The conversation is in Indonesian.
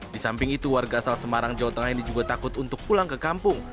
di samping itu warga asal semarang jawa tengah ini juga takut untuk pulang ke kampung